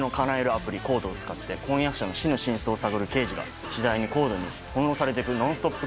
アプリＣＯＤＥを使って婚約者の死の真相を探る刑事が次第にＣＯＤＥに翻弄されていくノンストップ